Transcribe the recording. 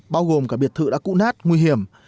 bao gồm cả biệt thự đã cũ nát nguy hiểm